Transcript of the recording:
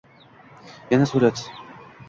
Yana surat…